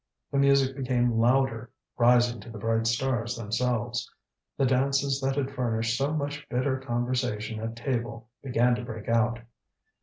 The music became louder, rising to the bright stars themselves. The dances that had furnished so much bitter conversation at table began to break out.